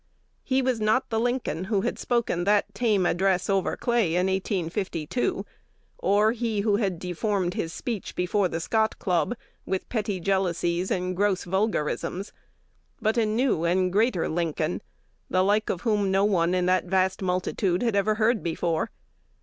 He was not the Lincoln who had spoken that tame address over Clay in 1852, or he who had deformed his speech before the "Scott Club" with petty jealousies and gross vulgarisms, but a new and greater Lincoln, the like of whom no one in that vast multitude had ever heard before.